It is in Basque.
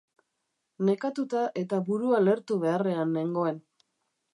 Nekatuta eta burua lehertu beharrean nengoen.